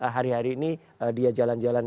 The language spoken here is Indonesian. hari hari ini dia jalan jalan